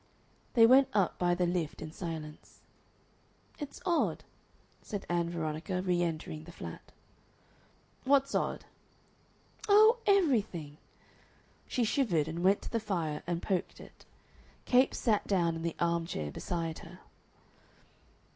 They went up by the lift in silence. "It's odd," said Ann Veronica, re entering the flat. "What's odd?" "Oh, everything!" She shivered, and went to the fire and poked it. Capes sat down in the arm chair beside her.